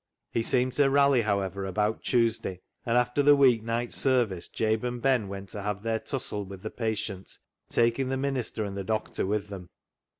He seemed to rally, however, about Tuesday, and after the week night service Jabe and Ben went to have their tussle with the patient, taking the minister and the doctor with them.